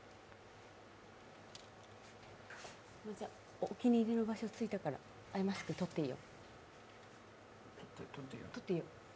お気に入りの場所に着いたからアイマスク、取っていいよ。